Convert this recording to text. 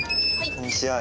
こんにちは。